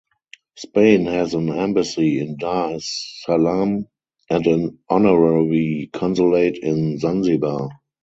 Spain has an embassy in Dar es Salaam and an honorary consulate in Zanzibar.